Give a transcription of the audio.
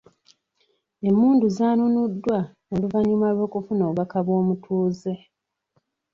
Emmundu zaanunuddwa oluvannyuma lw'okufuna obubaka bw'omutuuze.